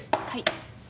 はい。